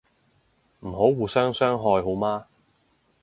唔好互相傷害好嗎